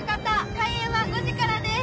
開演は５時からです